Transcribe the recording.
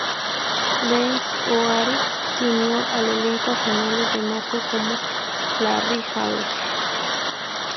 Denis O'Hare se unió al elenco a finales de marzo como Larry Harvey.